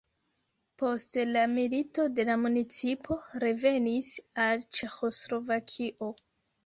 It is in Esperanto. Post la milito la municipo revenis al Ĉeĥoslovakio.